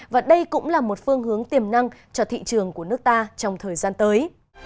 và đây cũng là một phương hướng tiềm năng cho thị trường của nước ta trong thời gian tới